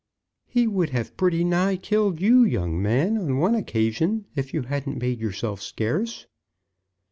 "He would have pretty nigh killed you, young man, on one occasion, if you hadn't made yourself scarce."